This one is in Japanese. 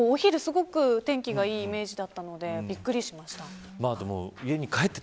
お昼、すごく天気がいいイメージだったのでびっくりしました。